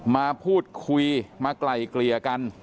มาพูดคุยมาไกล่เกลี่ยกัน